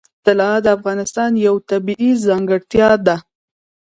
طلا د افغانستان یوه طبیعي ځانګړتیا ده.